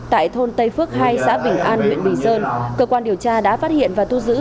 tại thôn tây phước hai xã bình an huyện bình sơn cơ quan điều tra đã phát hiện và thu giữ